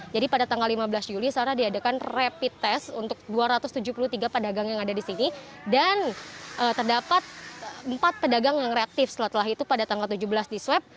jadi pada tanggal lima belas juli sarah diadakan rapid test untuk dua ratus tujuh puluh tiga pedagang yang ada di sini dan terdapat empat pedagang yang reaktif setelah itu pada tanggal tujuh belas diswep